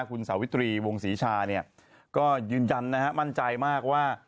คุณสาวิตรีวงศรีชาเนี่ยก็ยืนยันนะฮะมั่นใจมากว่า